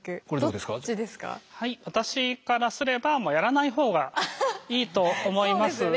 はい私からすればやらない方がいいと思います。